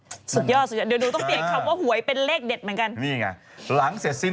สุดยอดสุดเดี๋ยวดูต้องเปลี่ยนคำว่าหวยเป็นเลขเด็ดเหมือนกันนี่ไงหลังเสร็จสิ้น